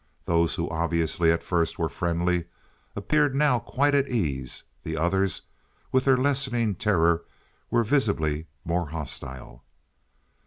Those who obviously at first were friendly appeared now quite at ease; the others, with their lessening terror, were visibly more hostile.